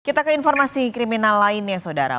kita ke informasi kriminal lainnya saudara